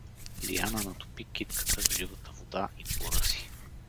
Лиана натопи китката в живата вода и поръси.